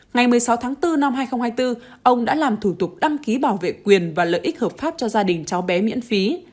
ngày một mươi sáu tháng bốn năm hai nghìn hai mươi bốn ông đã làm thủ tục đăng ký bảo vệ quyền và lợi ích hợp pháp cho gia đình cháu bé miễn phí